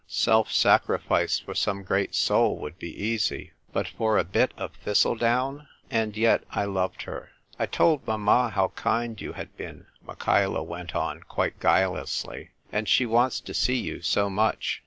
Self sacrifice for some great soul would be easy : but for a bit of thistle down ! And yet I loved her. " I told mamma how kind you had been," Micliacla went on, quite guilelessly, "and she wants to see you so much.